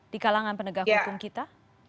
di kalangan penegak hukum kita